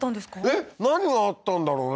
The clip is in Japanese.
えっ何があったんだろうね？